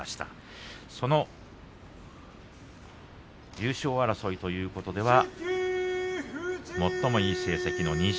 優勝争いということでは最もいい成績の錦